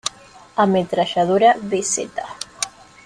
Ametralladora vz.